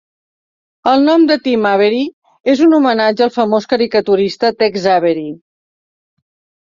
El nom de "Tim Avery" és un homenatge al famós caricaturista Tex Avery.